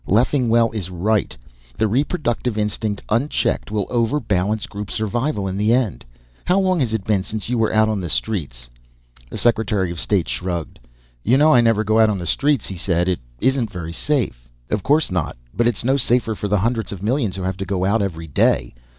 Leffingwell is right. The reproductive instinct, unchecked, will overbalance group survival in the end. How long has it been since you were out on the streets?" The Secretary of State shrugged. "You know I never go out on the streets," he said. "It isn't very safe." "Of course not. But it's no safer for the hundreds of millions who have to go out every day.